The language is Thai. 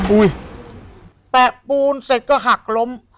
แปะปูนเสร็จก็หักล้ม